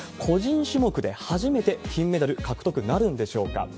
個人種目で初めて金メダル獲得なるんでしょうか。